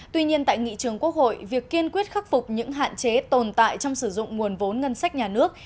tuy nhiên tại nghị trường quốc hội việc kiên quyết khắc phục những hạn chế tồn tại trong sử dụng nguồn vốn ngân sách nhà nước